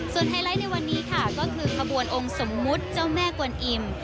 ไฮไลท์ในวันนี้ค่ะก็คือขบวนองค์สมมุติเจ้าแม่กวนอิ่ม